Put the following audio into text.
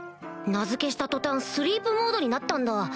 名付けした途端スリープモードになったんだ